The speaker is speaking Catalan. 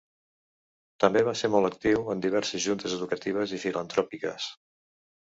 També va ser molt actiu en diverses juntes educatives i filantròpiques.